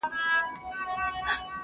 پلار په چوپتيا کي خپل دروند